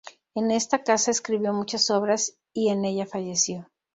En esta casa escribió muchas obras y en ella falleció.